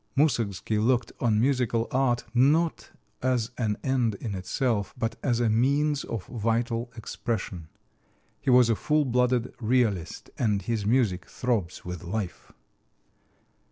Moussorgsky looked on musical art not as an end in itself, but as a means of vital expression. He was a full blooded realist, and his music throbs with life.